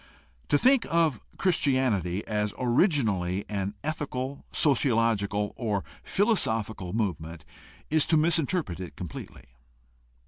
To think of Christianity as originally an ethical, sociological, or philosophical movement is to misinterpret it completely.